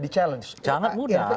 di challenge sangat mudah